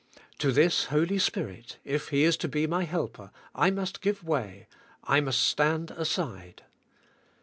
To this Holy Spirit, if He is to be my helper, I must give way, I must stand aside.